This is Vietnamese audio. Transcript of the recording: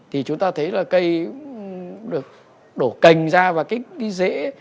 thì chúng ta thấy là cây được đổ cành ra và cái dễ